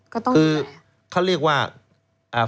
ก็ต้องมีอะไร